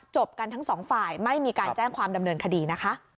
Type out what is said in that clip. กันทั้งสองฝ่ายไม่มีการแจ้งความดำเนินคดีนะคะ